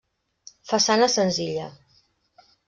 Façana senzilla.